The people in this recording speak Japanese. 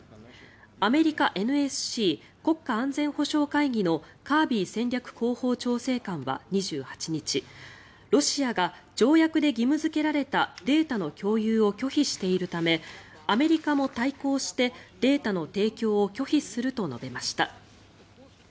アメリカＮＳＣ・国家安全保障会議のカービー戦略広報調整官は２８日ロシアが条約で義務付けられたデータの共有を拒否しているためアメリカも対抗してデータの提供を拒否すると述べました。